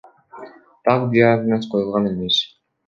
Так диагноз коюлган эмес.